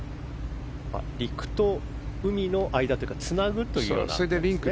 陸と海の間というかつなぐというような意味ですね。